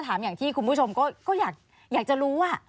อย่างที่คุณผู้ชมก็อยากจะรู้